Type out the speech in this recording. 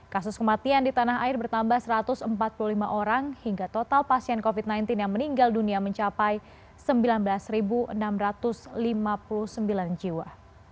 kasus kematian di tanah air bertambah satu ratus empat puluh lima orang hingga total pasien covid sembilan belas yang meninggal dunia mencapai sembilan belas enam ratus lima puluh sembilan jiwa